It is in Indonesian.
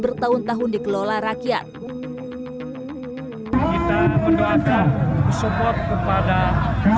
bertahun tahun dikelola rakyat kita mendoakan